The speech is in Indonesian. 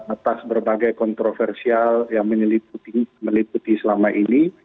atas berbagai kontroversial yang meliputi selama ini